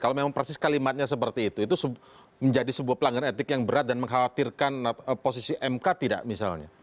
kalau memang persis kalimatnya seperti itu itu menjadi sebuah pelanggan etik yang berat dan mengkhawatirkan posisi mk tidak misalnya